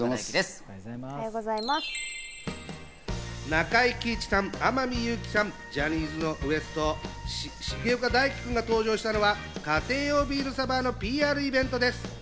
中井貴一さん、天海祐希さん、ジャニーズＷＥＳＴ・重岡大毅くんが登場したのは家庭用ビールサーバーのＰＲイベントです。